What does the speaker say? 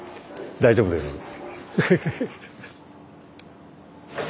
大丈夫です。